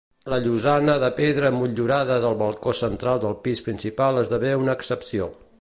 La llosana de pedra motllurada del balcó central del pis principal esdevé una excepció.